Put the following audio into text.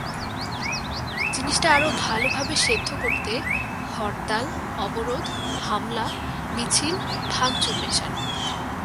জিনিসটা আরও ভালোভাবে সেদ্ধ করতে হরতাল, অবরোধ, হামলা, মিছিল, ভাঙচুর মেশান।